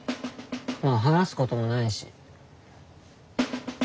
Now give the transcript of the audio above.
まあ話すこともないし。